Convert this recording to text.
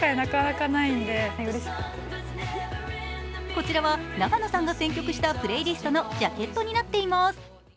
こちらは永野さんが選曲したプレイリストのジャケットになっています。